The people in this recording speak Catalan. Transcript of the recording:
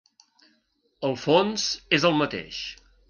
El fons és el mateix.